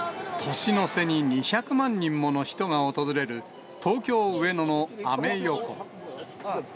年の瀬に２００万人もの人が訪れる、東京・上野のアメ横。